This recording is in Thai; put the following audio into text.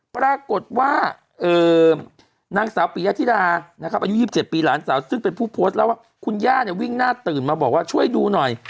ปรากฏว่านางสาวปียธิดานะครับอายุ๒๗ปีหลานสาวซึ่งเป็นผู้โพสต์เล่าว่าคุณย่าเนี่ยวิ่งหน้าตื่นมาบอกว่าช่วยดูหน่อย